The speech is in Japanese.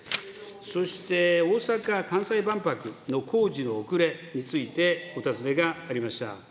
そして、大阪・関西万博の工事の遅れについて、お尋ねがありました。